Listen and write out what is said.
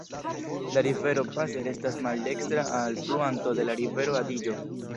La rivero Passer estas maldekstra alfluanto de la rivero Adiĝo.